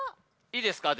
いいですか？